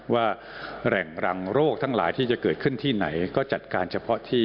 ว่าแหล่งรังโรคทั้งหลายที่จะเกิดขึ้นที่ไหนก็จัดการเฉพาะที่